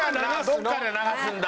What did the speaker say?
どっかで流すんだ。